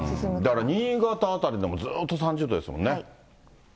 だから新潟辺りでも、ずっと３０度ですもんね。